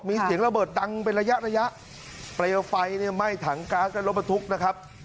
มีเสียงระเบิดดังเป็นระยะระยะเปลวไฟเนี่ยไหม้ถังก๊าซและรถบรรทุกนะครับ